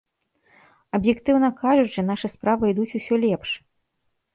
Аб'ектыўна кажучы, нашы справы ідуць усё лепш.